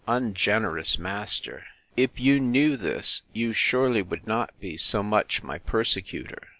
Ungenerous master! if you knew this, you surely would not be so much my persecutor!